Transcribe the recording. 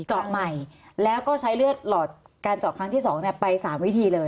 เจาะใหม่แล้วก็ใช้เลือดหลอดการเจาะครั้งที่๒ไป๓วิธีเลย